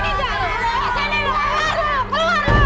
sini gak lo keluar lo keluar lo